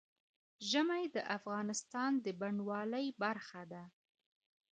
ژمی د افغانستان د بڼوالۍ برخه ده.